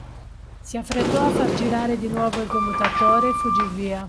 Si affrettò a far girare di nuovo il commutatore e fuggì via.